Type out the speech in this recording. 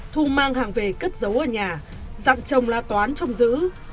thu mang hàng về cất giấu ở nhà dặm chồng là toán trong giữ